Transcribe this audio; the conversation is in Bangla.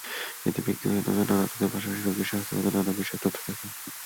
এতে ব্যক্তিগত নানা তথ্যের পাশাপাশি রোগীর স্বাস্থ্যগত নানা বিষয়ের তথ্য থাকে।